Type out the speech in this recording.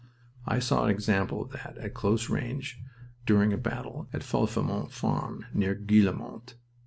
I saw an example of that at close range during a battle at Falfemont Farm, near Guillemont.